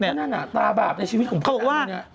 นั่นล่ะตาบาปใช่ชีวิตของพระดำนี้